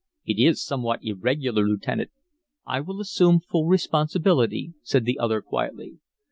"It is somewhat irregular, lieutenant." "I will assume full responsibility," said the other, quietly.